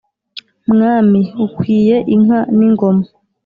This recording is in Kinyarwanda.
mwami ukwiye inka n'ingoma,